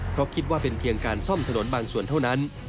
เพราะคิดว่าเป็นเพียงการซ่อมถนนบางส่วนเท่านั้น